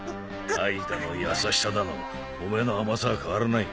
愛だの優しさだのお前の甘さは変わらない。